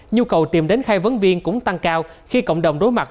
nhu cầu tìm đến khai vấn viên cũng tăng cao khi cộng đồng đối mặt